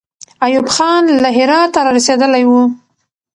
ایوب خان له هراته را رسېدلی وو.